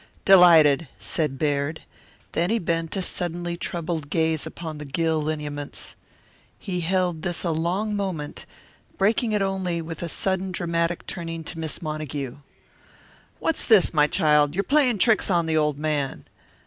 "Delighted," said Baird; then he bent a suddenly troubled gaze upon the Gill lineaments. He held this a long moment, breaking it only with a sudden dramatic turning to Miss Montague. "What's this, my child? You're playing tricks on the old man."